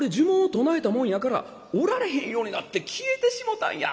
唱えたもんやからおられへんようになって消えてしもうたんや。